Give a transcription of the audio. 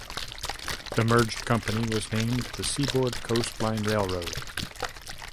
The merged company was named the Seaboard Coast Line Railroad.